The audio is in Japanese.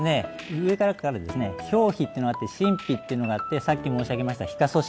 上から書かれてる表皮っていうのがあって真皮っていうのがあってさっき申し上げました皮下組織